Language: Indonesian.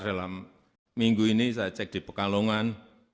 dalam minggu ini saya cek di pekalongan